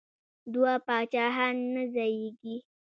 دوه پاچاهان نه ځاییږي.